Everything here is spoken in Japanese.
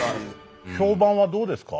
評判はどうですか？